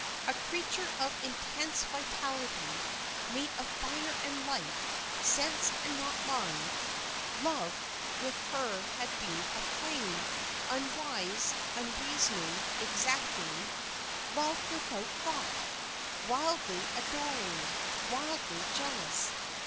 A creature of intense vitality, made of fire and light, sense and not mind, love with her had been a flame; unwise, unreasoning, exacting; love without thought; wildly adoring, wildly jealous.